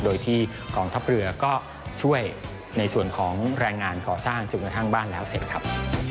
โดยที่กองทัพเรือก็ช่วยในส่วนของแรงงานก่อสร้างจนกระทั่งบ้านแล้วเสร็จครับ